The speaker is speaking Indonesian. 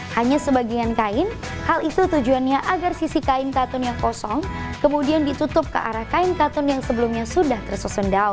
hanya sebagian kain hal itu tujuannya agar sisi kain katun yang kosong kemudian ditutup ke arah kain katun yang sebelumnya sudah tersusun daun